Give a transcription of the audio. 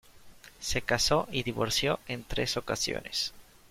Se casó y divorció en tres ocasiones.